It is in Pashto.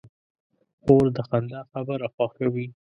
خور د خندا خبره خوښوي.